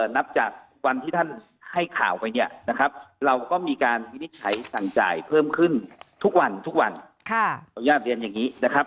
นับจากทุกวันที่ท่านให้ข่าวไปเราก็มีการวินิจฉัยสั่งจ่ายเพิ่มขึ้นทุกวัน